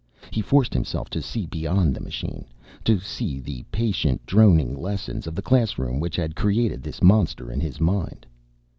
He forced himself to see beyond the machine, to see the patient droning lessons of the classroom which had created this monster in his mind.